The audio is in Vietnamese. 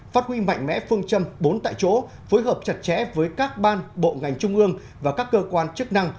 phát huy mạnh mẽ phương châm bốn tại chỗ phối hợp chặt chẽ với các ban bộ ngành trung ương và các cơ quan chức năng